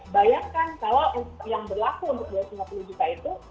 bayangkan kalau yang berlaku untuk dua ratus lima puluh juta itu